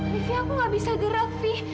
livi aku nggak bisa gerak fi